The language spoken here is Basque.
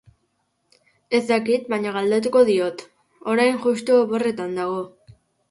Ez dakit baina galdetuko diot, orain juxtu oporretan dago